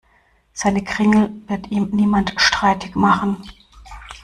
Seine Kringel wird ihm niemand streitig machen.